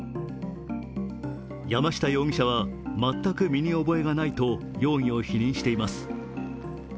山下容疑者は全く身に覚えがないと容疑を否認しています。